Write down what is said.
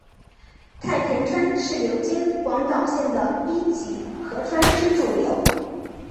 太田川是流经广岛县的一级河川之主流。